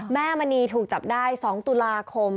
มณีถูกจับได้๒ตุลาคม